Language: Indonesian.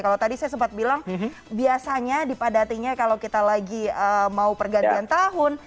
kalau tadi saya sempat bilang biasanya dipadatinya kalau kita lagi mau pergantian tahun